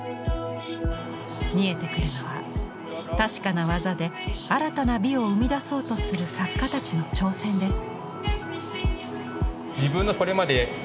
見えてくるのは確かな技で新たな美を生み出そうとする作家たちの挑戦です。